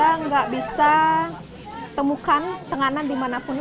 dan kita nggak bisa temukan tenganan dimanapun kita